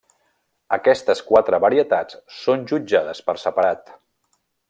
Aquestes quatre varietats són jutjades per separat.